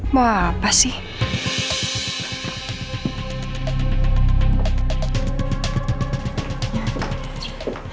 mau apa sih